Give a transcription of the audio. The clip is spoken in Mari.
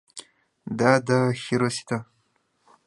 — Да, да, Хиросита.